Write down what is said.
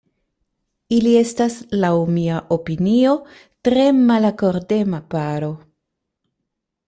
Ili estas, laŭ mia opinio, tre malakordema paro.